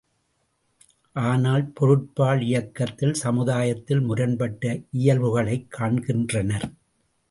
ஆனால், பொருட்பால் இயக்கத்தில் சமுதாயத்தில் முரண்பட்ட இயல்புகளைக் காண்கின்றார்!